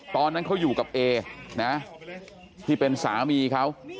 ตอนนั้นเขาอยู่กับเอนะที่เป็นสามีเขา